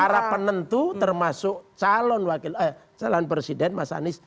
para penentu termasuk calon wakil eh calon presiden mas anies